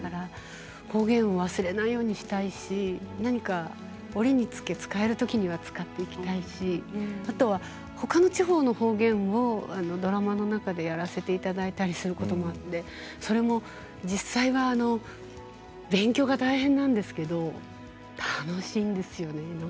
方言を忘れないようにしたいし折に触れ、使えるときには使っていきたいしほかの地方の方言もドラマの中でやらせていただいたりすることもあって、それも実際は勉強が大変なんですけれど楽しいんですよね。